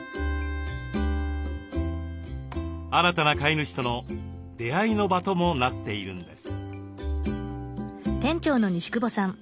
新たな飼い主との出会いの場ともなっているんです。